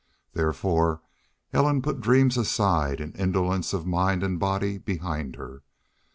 Therefore, Ellen put dreams aside, and indolence of mind and body behind her.